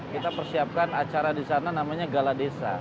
kita persiapkan acara di sana namanya gala desa